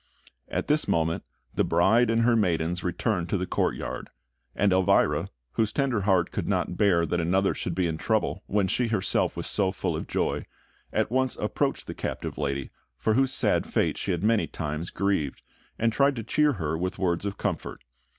At this moment, the bride and her maidens returned to the courtyard; and Elvira, whose tender heart could not bear that another should be in trouble when she herself was so full of joy, at once approached the captive lady, for whose sad fate she had many times grieved, and tried to cheer her with words of comfort.